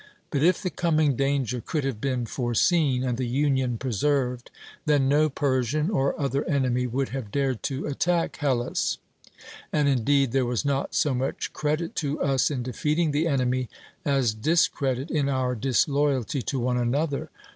But if the coming danger could have been foreseen, and the union preserved, then no Persian or other enemy would have dared to attack Hellas; and indeed there was not so much credit to us in defeating the enemy, as discredit in our disloyalty to one another.